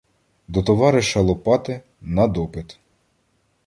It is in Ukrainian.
До товариша Лопати — на допит.